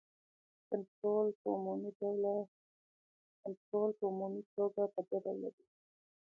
کنټرول په عمومي توګه په دوه ډوله دی.